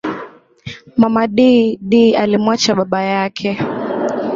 Mama Dee Dee alimuacha baba yake